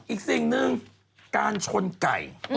อีกสิ่งหนึ่งการชนไก่